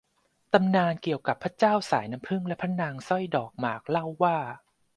ตำนานเกี่ยวกับพระเจ้าสายน้ำผึ้งและพระนางสร้อยดอกหมากเล่าว่า